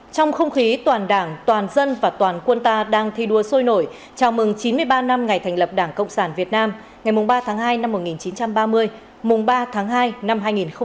trong không khí toàn đảng toàn dân và toàn quân ta đang thi đua sôi nổi chào mừng chín mươi ba năm ngày thành lập đảng cộng sản việt nam ngày ba tháng hai năm một nghìn chín trăm ba mươi mùng ba tháng hai năm hai nghìn hai mươi